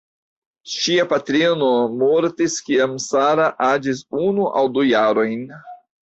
Ŝia patrino mortis kiam Sarah aĝis unu aŭ du jarojn.